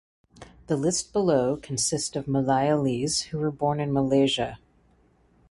The list below consist of Malayalees who are born in Malaysia.